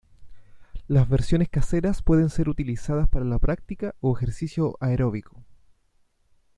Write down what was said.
Las versiones caseras pueden ser utilizadas para la práctica o ejercicio aeróbico.